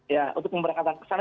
ya untuk memberangkatan ke sana